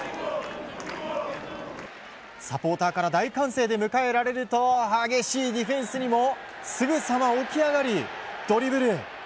サポーターから大歓声で迎えられると激しいディフェンスにもすぐさま起き上がり、ドリブル。